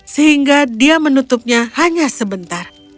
sehingga dia menutupnya hanya sebentar